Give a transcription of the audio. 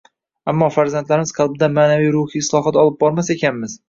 Ammo, farzandlarimiz qalbida ma’naviy-ruhiy islohot olib bormas ekanmiz